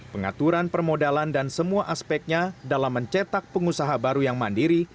pengaturan permodalan dan semua aspeknya dalam mencetak pengusaha baru yang mandiri